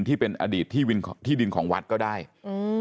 ที่เป็นอดีตที่วินที่ดินของวัดก็ได้อืม